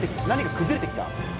何か崩れてきた。